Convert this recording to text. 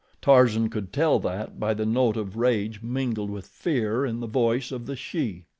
Tarzan could tell that by the note of rage mingled with fear in the voice of the she.